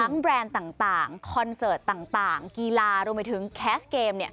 แบรนด์ต่างคอนเสิร์ตต่างกีฬารวมไปถึงแคสเกม